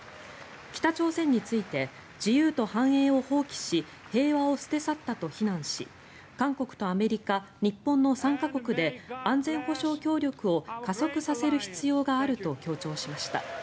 北朝鮮について自由と繁栄を放棄し平和を捨て去ったと非難し韓国とアメリカ、日本の３か国で安全保障協力を加速させる必要があると強調しました。